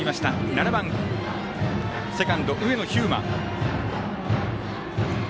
７番セカンド、上野飛馬。